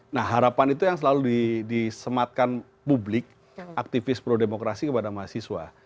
nah harapan itu yang selalu disematkan publik aktivis pro demokrasi kepada mahasiswa